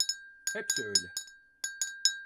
Hepsi öyle.